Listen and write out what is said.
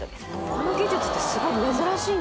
この技術ってすごい珍しいんですよ